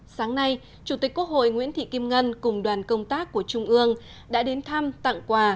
sáng nay chủ tịch quốc hội nguyễn thị kim ngân cùng đoàn công tác của trung ương đã đến thăm tặng quà